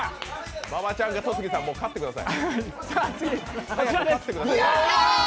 馬場ちゃんか戸次さん、勝ってください。